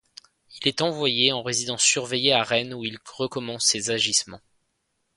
Il est envoyé en résidence surveillée à Rennes où il recommence ses agissements.